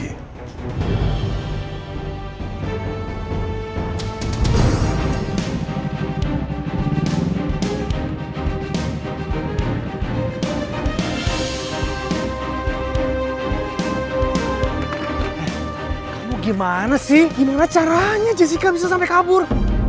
kamu gimana sih gimana caranya jessica bisa sampai kabur